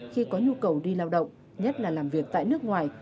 khi có nhu cầu đi lao động nhất là làm việc tại nước ngoài